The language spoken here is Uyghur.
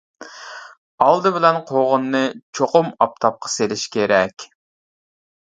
ئالدى بىلەن قوغۇننى چوقۇم ئاپتاپقا سېلىش كېرەك.